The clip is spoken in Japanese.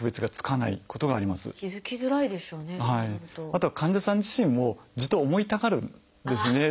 あとは患者さん自身も痔と思いたがるんですね。